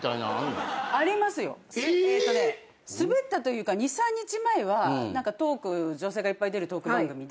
えーっとねスベったというか２３日前は女性がいっぱい出るトーク番組で。